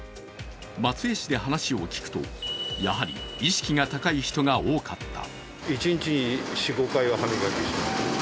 松江市で話を聞くと、やはり意識が高い人が多かった。